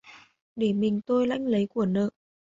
Để mình tôi lãnh lấy của nợ